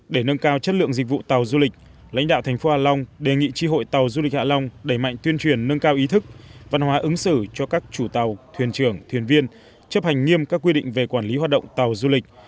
để nâng cao chất lượng dịch vụ tàu du lịch lãnh đạo thành phố hạ long đề nghị tri hội tàu du lịch hạ long đẩy mạnh tuyên truyền nâng cao ý thức văn hóa ứng xử cho các chủ tàu thuyền trưởng thuyền viên chấp hành nghiêm các quy định về quản lý hoạt động tàu du lịch